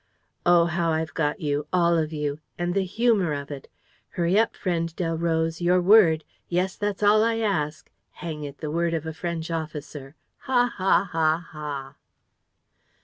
... Oh, how I've got you, all of you! And the humor of it! Hurry up, friend Delroze, your word! Yes, that's all I ask. Hang it, the word of a French officer! Ha, ha, ha, ha!"